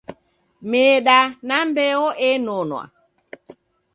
Meda na mbeo enonwa.